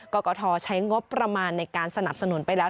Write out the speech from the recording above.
กรกฐใช้งบประมาณในการสนับสนุนไปแล้ว